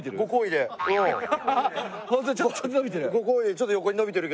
ちょっとだけ伸びてる。